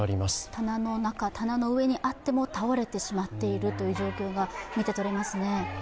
棚の中、上にあっても倒れてしまっているという状況が見て取れます。